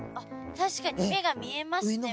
確かに目が見えますね